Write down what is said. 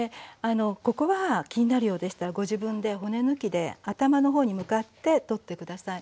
ここは気になるようでしたらご自分で骨抜きで頭の方に向かって取って下さい。